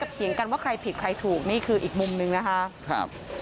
เถียงกันว่าใครผิดใครถูกนี่คืออีกมุมนึงนะคะครับ